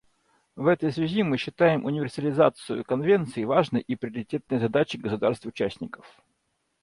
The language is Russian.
В этой связи мы считаем универсализацию Конвенции важной и приоритетной задачей государств-участников.